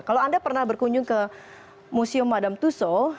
kalau anda pernah berkunjung ke museum madame tussauds